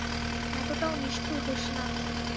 এতটাও নিষ্ঠুর হোস না।